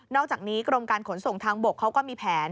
อกจากนี้กรมการขนส่งทางบกเขาก็มีแผน